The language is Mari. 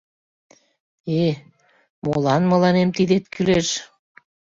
Э-э, молан мыланем тидет кӱлеш?